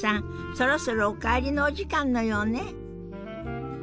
そろそろお帰りのお時間のようね。